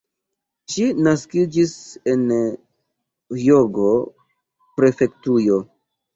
Ŝi naskiĝis en Hjogo-prefektujo.